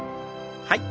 はい。